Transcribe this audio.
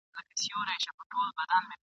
یوه حوره به راکښته سي له پاسه ..